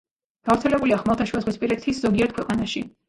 გავრცელებულია ხმელთაშუაზღვისპირეთის ზოგიერთ ქვეყანაში.